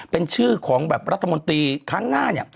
เป็นชื่อของแบบรัฐมนตรีครั้งหน้าเนี่ย